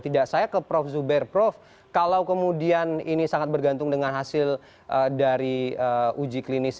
tidak saya ke prof zuber prof kalau kemudian ini sangat bergantung dengan hasil dari uji klinis